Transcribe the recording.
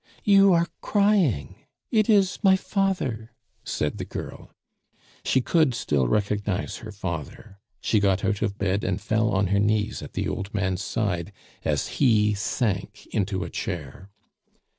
"You are crying! It is my father!" said the girl. She could still recognize her father; she got out of bed and fell on her knees at the old man's side as he sank into a chair.